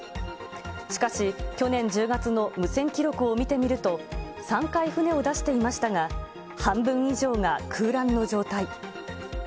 しかし、去年１０月の無線記録を見てみると、３回船を出していましたが、半分以上が空欄の状態。